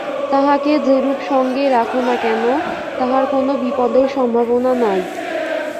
তাহাকে যেরূপ সঙ্গেই রাখো না কেন, তাহার কোন বিপদের সম্ভাবনা নাই।